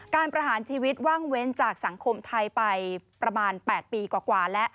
ประหารชีวิตว่างเว้นจากสังคมไทยไปประมาณ๘ปีกว่าแล้ว